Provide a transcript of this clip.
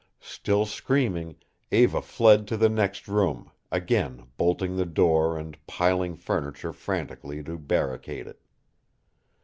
Still screaming, Eva fled to the next room, again bolting the door and piling furniture frantically to barricade it.